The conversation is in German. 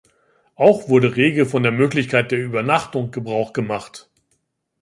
Auch wurde rege von der Möglichkeit der Übernachtung Gebrauch gemacht.